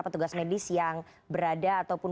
petugas medis yang berada ataupun